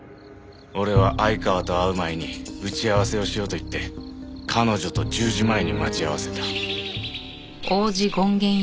俺は相川と会う前に打ち合わせをしようと言って彼女と１０時前に待ち合わせた。